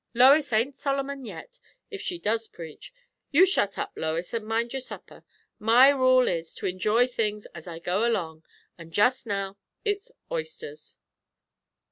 Lois ain't Solomon yet, if she does preach. You shut up, Lois, and mind your supper. My rule is, to enjoy things as I go along; and just now, it's oysters."